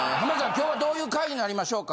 今日はどういう回になりましょうか。